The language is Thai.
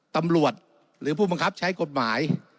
ตำรวจหรือผู้บังคับใช้กฎหมาย